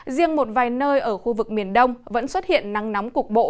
riêng một vài nơi ở khu vực miền đông vẫn xuất hiện nắng nóng cục bộ